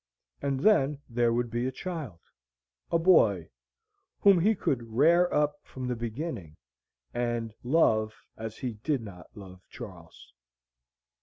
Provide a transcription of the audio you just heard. And then there would be a child a boy, whom he could "rare up" from the beginning, and love as he did not love Charles.